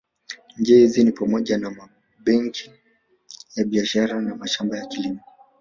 Njia hizi ni pamoja na mabenki ya biashara na mashamba ya kilimo